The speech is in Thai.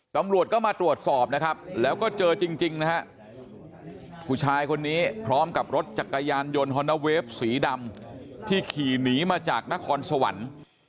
ตำรวจก็มาตรวจสอบนะครับแล้วก็เจอจริงนะฮะผู้ชายคนนี้พร้อมกับรถจักรยานยนต์ฮอนนาเวฟสีดำที่ขี่หนีมาจากนครสวรรค์